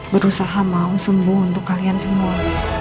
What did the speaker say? berusaha mau sembuh untuk kalian semua